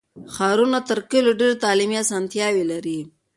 ښارونه تر کلیو ډېر تعلیمي اسانتیاوې لري.